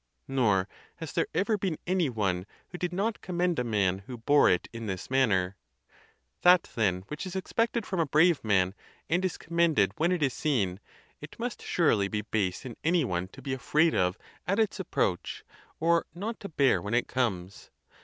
Nor has there ever been any one who did not commend a man who bore it in this manner. That, then, which is expected from a brave man, and is commended when it is seen, it must sure ly be base in any one to be afraid of at its approach, or not to bear when it comes.